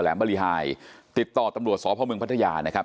บริหายติดต่อตำรวจสพเมืองพัทยานะครับ